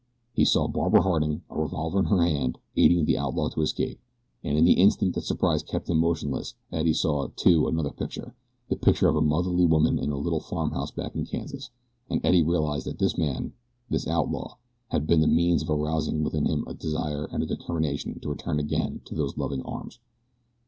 He saw Barbara Harding, a revolver in her hand, aiding the outlaw to escape, and in the instant that surprise kept him motionless Eddie saw, too, another picture the picture of a motherly woman in a little farmhouse back in Kansas, and Eddie realized that this man, this outlaw, had been the means of arousing within him a desire and a determination to return again to those loving arms.